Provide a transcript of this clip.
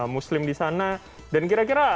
muslim di sana dan kira kira